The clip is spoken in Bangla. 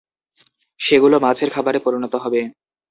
সেগুলো মাছের খাবারে পরিণত হবে।